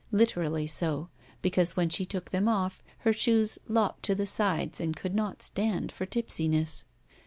Literally so, because ^dien she took them off, her shoes lopped to the sides and oould not stand for tipsiness.